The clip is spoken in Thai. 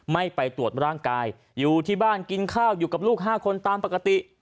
ไม่ไปตรวจร่างกายอยู่ที่บ้านกินข้าวอยู่กับลูก๕คนตามปกติ